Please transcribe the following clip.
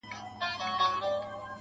o ستا د تورو سترگو اوښکي به پر پاسم.